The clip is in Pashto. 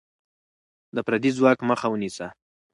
د پردی ځواک مخه ونیسه.